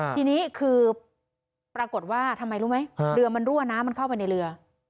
ทีนี้คือปรากฏว่าทำไมรู้ไหมเรือมันรั่วน้ำมันเข้าไปในเรือ